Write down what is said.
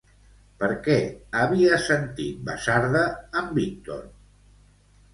Per què havia sentit basarda en Víctor?